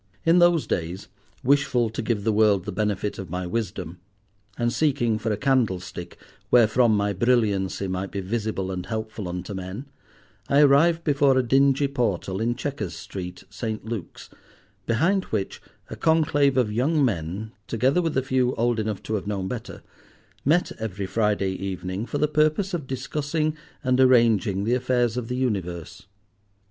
In those days, wishful to give the world the benefit of my wisdom, and seeking for a candle stick wherefrom my brilliancy might be visible and helpful unto men, I arrived before a dingy portal in Chequers Street, St. Luke's, behind which a conclave of young men, together with a few old enough to have known better, met every Friday evening for the purpose of discussing and arranging the affairs of the universe.